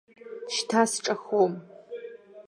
Шьҭа сҿахом.